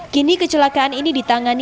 kini kecelakaan ini ditangani